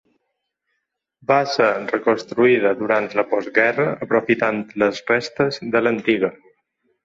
Va ser reconstruïda durant la postguerra, aprofitant les restes de l'antiga.